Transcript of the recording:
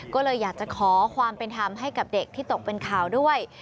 ก็เลยอยากจะขอความเป็นธรรมให้กับเด็กที่ตกเป็นข่าวด้วย